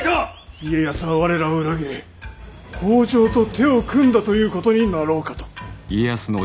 家康は我らを裏切り北条と手を組んだということになろうかと。